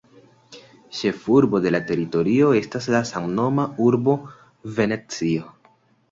Ĉefurbo de la teritorio estas la samnoma urbo Venecio.